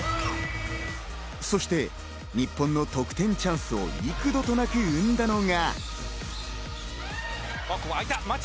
そして日本の得点チャンスを幾度となく生んだのが。